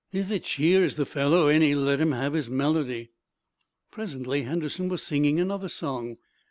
"If it cheers the fellow any let him have his melody." Presently Henderson was singing another song.